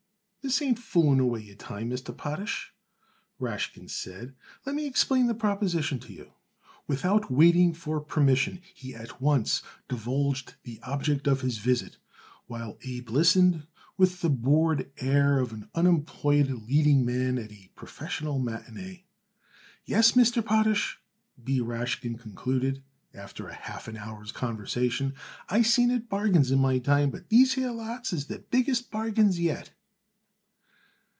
"This ain't fooling away your time, Mr. Potash," Rashkin said. "Let me explain the proposition to you." Without waiting for permission he at once divulged the object of his visit, while Abe listened with the bored air of an unemployed leading man at a professional matinée. "Yes, Mr. Potash," B. Rashkin concluded, after half an hour's conversation, "I seen it bargains in my time, but these here lots is the biggest bargains yet."